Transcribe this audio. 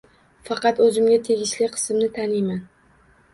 Faqat o'zimga tegishli qismni taniyman